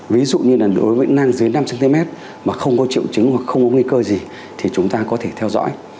ví dụ như nang dưới năm cm mà không có triệu chứng hoặc không có nguy cơ gì thì chúng ta có thể theo dõi